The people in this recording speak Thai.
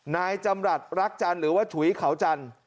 นายจำรัฐรักจันทร์หรือว่าฉุยเขาจันทร์